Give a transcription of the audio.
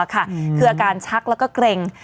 คืออาการชักและเกรง